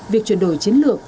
việc chuyển đổi chiến lược